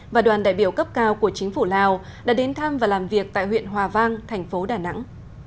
và đoàn đại biểu cấp cao của chính phủ lào đã đến thăm và làm việc tại huyện hòa vang thành phố đà nẵng